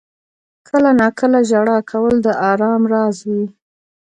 • کله ناکله ژړا کول د آرام راز وي.